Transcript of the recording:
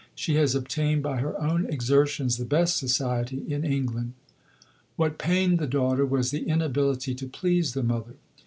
She has obtained by her own exertions the best society in England." What pained the daughter was the inability to please the mother.